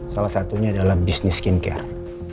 salah satunya adalah bisnis skincare